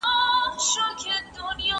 څه شی د انسانانو د مساوي حقونو تضمین کوي؟